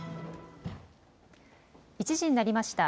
１時になりました。